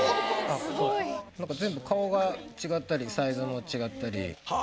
何か全部顔が違ったりサイズも違ったり。